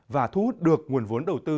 và thu hút được nguồn vốn đầu tư